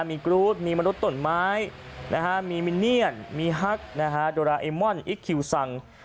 มีกรูดมีมนุษย์ตนไม้มีมิเนียนมีฮักโดราเอมอนอิคคิวซัง